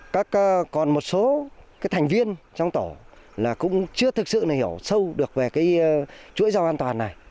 còn một số thành viên trong tổ là cũng chưa thực sự hiểu sâu được về cái chuỗi rau an toàn này